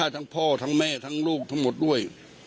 ทั้งพ่อทั้งแม่ทั้งลูกทั้งหมดด้วย